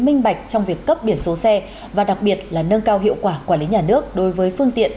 ủng hộ việc gắn trách nhiệm của chủ xe với phương tiện